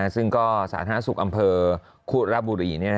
ซึ่งก็สาธารณสุขอำเภอคุระบุรี